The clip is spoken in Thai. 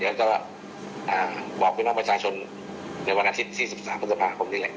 เดี๋ยวจะอ่าบอกพี่น้องประชาชนในวันอาทิตย์สี่สิบสามพฤษภาคมนี่แหละ